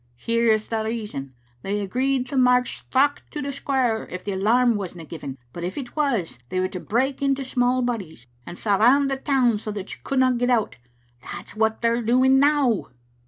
Here's the reason. They agreed to march straucht to the square if the alarm wasna given, but if it was they were to break into small bodies and surround the town so that you couldna get out. That's what they're doing now."